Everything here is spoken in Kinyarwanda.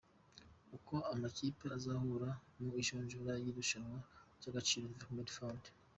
Uko amakipe azahura mu majonjora y’irushanwa ry’Agaciro Development Fund.